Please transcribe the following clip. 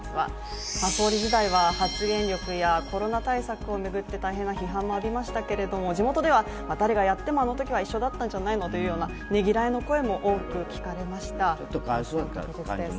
総理時代は、コロナ対策を巡って大変なこともありましたけれども地元では誰がやっても、あのときは一緒だったんじゃないのというねぎらいの声も多く聞かれました。